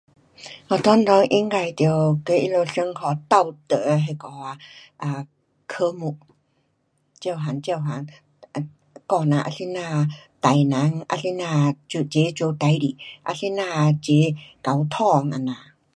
学堂内应该得跟他们上课道德那个啊科目。每样每样 um 教人啊怎样待人，啊怎样齐做事情，啊怎样齐沟通这样。